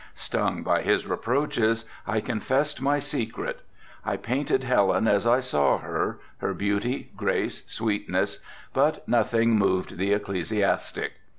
Stung by his reproaches I confessed my secret. I painted Helen as I saw her, her beauty, grace, sweetness, but nothing moved the ecclesiastic.